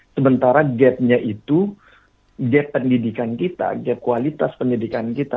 sementara gapnya itu gap pendidikan kita gap kualitas pendidikan kita